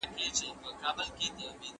شاګردان باید په خپلو څېړنو کي نوښتګر واوسي.